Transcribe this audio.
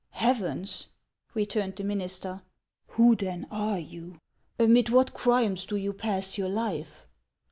': Heavens '." returned the minister, " who then are you ? Amid what crimes do you pass your life